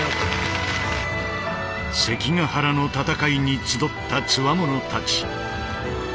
関ヶ原の戦いに集ったツワモノたち。